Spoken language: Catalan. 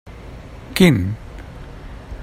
Quin?